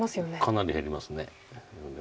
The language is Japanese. かなり減ります。